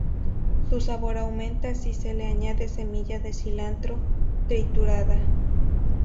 Su sabor aumenta si se le añade semilla de cilantro triturada.